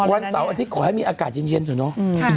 วันเสาร์อาทิตย์ขอให้มีอากาศเย็นเถอะเนาะ